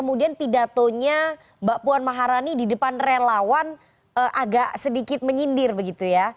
jadi seharusnya mbak puan maharani di depan relawan agak sedikit menyindir begitu ya